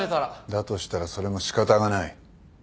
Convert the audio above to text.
だとしたらそれも仕方がない。